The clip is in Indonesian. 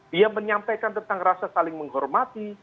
dia menyampaikan tentang rasa saling menghormati